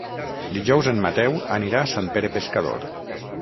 Dijous en Mateu anirà a Sant Pere Pescador.